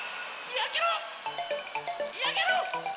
やけろ！